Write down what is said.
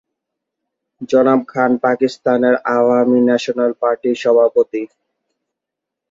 জনাব খান পাকিস্তানের আওয়ামী ন্যাশনাল পার্টির সভাপতি।